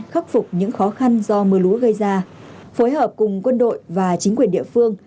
khắc phục những khó khăn do mưa lũ gây ra phối hợp cùng quân đội và chính quyền địa phương